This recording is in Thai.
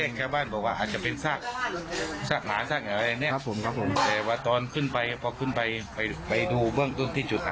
ครับผมครับผมแต่ว่าตอนขึ้นไปพอขึ้นไปไปไปดูเบื้องตรงที่จุดอ่ะ